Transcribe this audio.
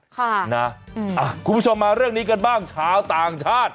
คุณผู้ชมมาเรื่องนี้กันบ้างชาวต่างชาติ